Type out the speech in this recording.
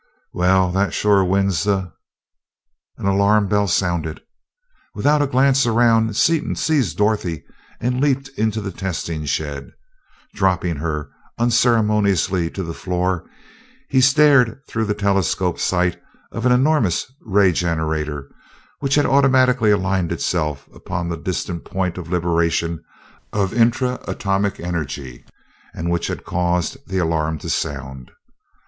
"Well, that sure wins the " An alarm bell sounded. Without a glance around, Seaton seized Dorothy and leaped into the testing shed. Dropping her unceremoniously to the floor he stared through the telescope sight of an enormous ray generator which had automatically aligned itself upon the distant point of liberation of intra atomic energy which had caused the alarm to sound.